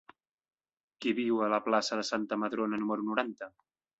Qui viu a la plaça de Santa Madrona número noranta?